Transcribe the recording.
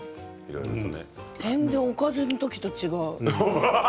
全然、おかずの時と違う。